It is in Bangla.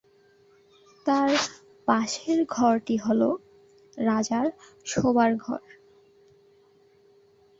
তার পাশের ঘরটি হলো রাজার শোবার ঘর।